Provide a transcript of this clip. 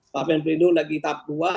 dapen pelindung lagi tahap dua